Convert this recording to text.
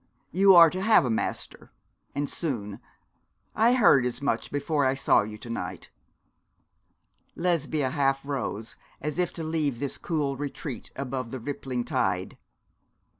You are to have a master and soon. I heard as much before I saw you to night.' Lesbia half rose, as if to leave this cool retreat above the rippling tide.